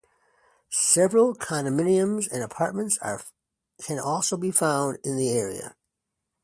Several condominiums and apartments can also be found in the area.